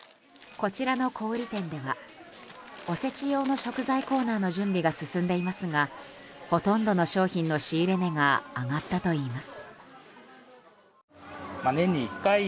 こちらの小売店ではおせち用の食材コーナーの準備が進んでいますがほとんどの商品の仕入れ値が上がったといいます。